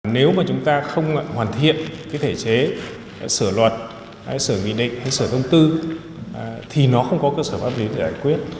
nếu mà chúng ta không hoàn thiện cái thể chế sửa luật hay sửa nghị định hay sửa thông tư thì nó không có cơ sở pháp lý để giải quyết